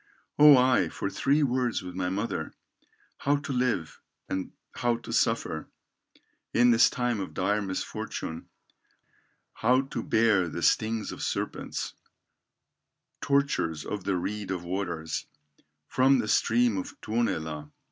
Oh! for three words with my mother, How to live, and how to suffer, In this time of dire misfortune, How to bear the stings of serpents, Tortures of the reed of waters, From the stream of Tuonela!